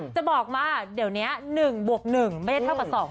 จะบอกมาเดี๋ยวเนี้ย๑บวก๑ไม่ได้เท่ากับ๒กันนะ